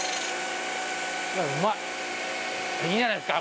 うまい！いいんじゃないですか？